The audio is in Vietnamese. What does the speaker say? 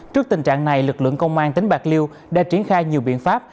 trước tình trạng này lực lượng công an tỉnh bạc liêu đã triển khai nhiều biện pháp